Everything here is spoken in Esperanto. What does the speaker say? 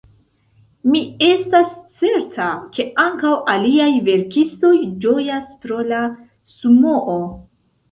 Mi estas certa, ke ankaŭ aliaj verkistoj ĝojas pro la Sumoo.